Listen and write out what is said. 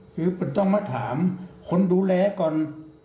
คือต้องมาถามคนดูแลก่อน